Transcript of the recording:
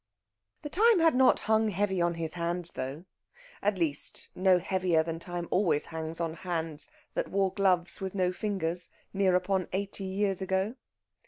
The time had not hung heavy on his hands though at least, no heavier than time always hangs on hands that wore gloves with no fingers near upon eighty years ago.